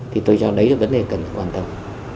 thì tôi cho đấy là vấn đề cần quan tâm